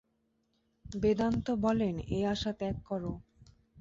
বেদান্ত বলেন, এই আশা ত্যাগ কর।